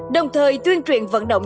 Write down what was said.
đồng thời tuyên truyền vận động